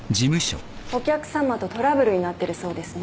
お客さまとトラブルになってるそうですね。